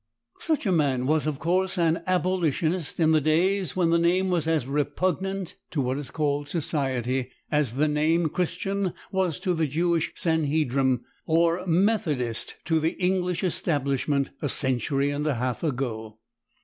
Such a man was, of course, an abolitionist in the days when the name was as repugnant to what is called "society" as the name Christian was to the Jewish Sanhedrim or Methodist to the English Establishment a century and a half ago.